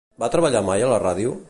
Va treballar mai a la ràdio?